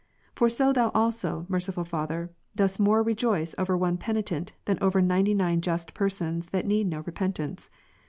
For so Thou also, merciful Father, dosi more rejoice over one penitent, than over ninety nine just persons, that need no repentance.